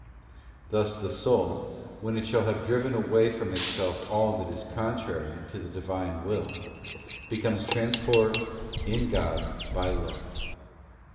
Thus the soul, when it shall have driven away from itself all that is contrary to the divine will, becomes transformed in God by love.